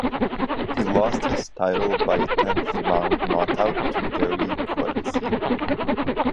He lost his title by a tenth-round knockout to Gerrie Coetzee.